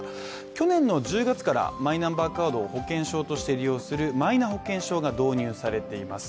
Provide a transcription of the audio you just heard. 去年の１０月からマイナンバーカードを保険証として利用するマイナ保険証が導入されています。